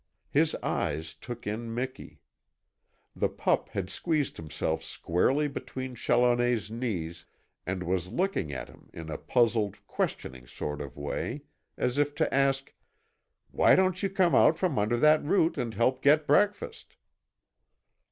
His eyes took in Miki. The pup had squeezed himself squarely between Challoner's knees and was looking at him in a puzzled, questioning sort of way, as if to ask: "Why don't you come out from under that root and help get breakfast?"